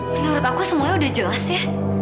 menurut aku semuanya udah jelas ya